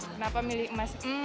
kenapa milih emas